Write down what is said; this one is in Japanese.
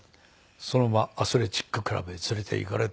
そのままアスレチッククラブへ連れて行かれて。